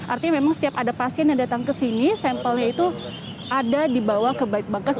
artinya memang setiap ada pasien yang datang ke sini sampelnya itu ada dibawa ke bangkas